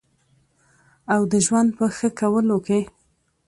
او د ژوند په ښه کولو کې